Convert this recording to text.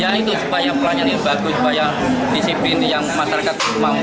ya itu supaya pelayanan ini bagus supaya disiplin yang masyarakat mampu